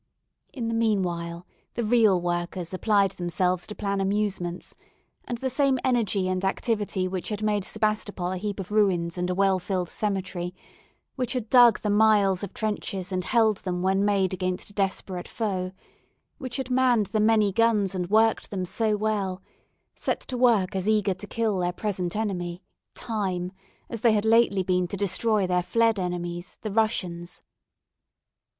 In the meanwhile, the real workers applied themselves to plan amusements, and the same energy and activity which had made Sebastopol a heap of ruins and a well filled cemetery which had dug the miles of trenches, and held them when made against a desperate foe which had manned the many guns, and worked them so well, set to work as eager to kill their present enemy, Time, as they had lately been to destroy their fled enemies, the Russians.